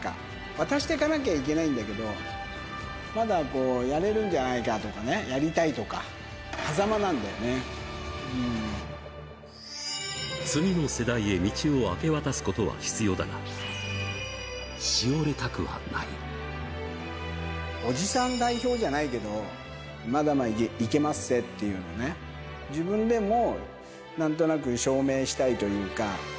渡していかなきゃいけないんだけど、まだこう、やれるんじゃないかとかね、やりたいとか、次の世代へ道を明け渡すことおじさん代表じゃないけど、まだまだいけまっせというのをね、自分でもなんとなく証明したいというか。